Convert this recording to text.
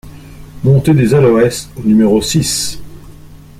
Montée des Aloès au numéro six